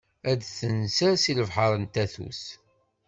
Ad d-tenser seg lebḥer n tatut.